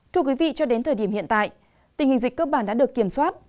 thưa quý vị cho đến thời điểm hiện tại tình hình dịch cơ bản đã được kiểm soát